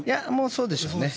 そうでしょうね。